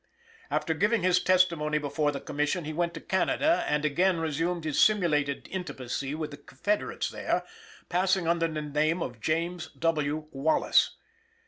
After giving his testimony before the Commission, he went to Canada and again resumed his simulated intimacy with the Confederates there, passing under the name of James W. Wallace.